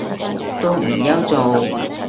都唔憂做